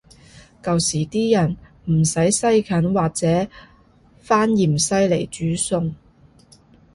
舊時啲人唔使西芹或者番芫茜來煮餸